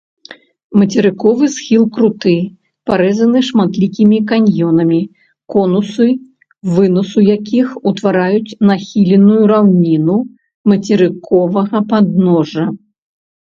Мацерыковы схіл круты, парэзаны шматлікімі каньёнамі, конусы вынасу якіх утвараюць нахіленую раўніну мацерыковага падножжа.